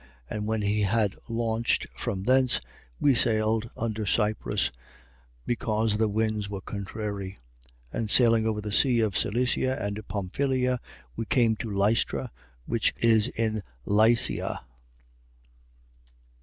27:4. And when we had launched from thence, we sailed under Cyprus, because the winds were contrary. 27:5. And sailing over the sea of Cilicia and Pamphylia, we came to Lystra, which is in Lycia.